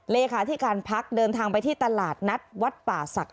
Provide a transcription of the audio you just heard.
เลขาธิการพักเดินทางไปที่ตลาดนัดวัดป่าศักดิ์